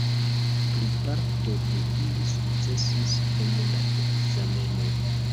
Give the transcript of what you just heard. Plejparto de ili sukcesis en la ekzameno.